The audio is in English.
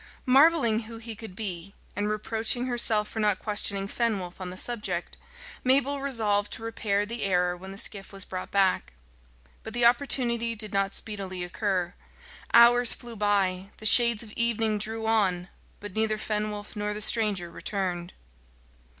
Marvelling who he could be, and reproaching herself for not questioning Fenwolf on the subject, Mabel resolved to repair the error when the skiff was brought back. But the opportunity did not speedily occur. Hours flew by, the shades of evening drew on, but neither Fenwolf nor the stranger returned.